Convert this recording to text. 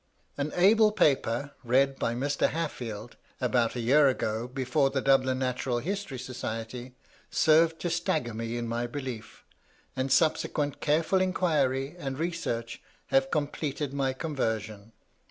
An able paper, read by Mr. Haffield about a year ago, before the Dublin Natural History Society, served to stagger me in my belief, and subsequent careful inquiry and research have completed my conversion.